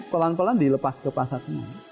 pelan pelan dilepas ke pasar ini